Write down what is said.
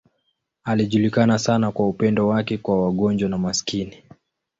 Alijulikana sana kwa upendo wake kwa wagonjwa na maskini.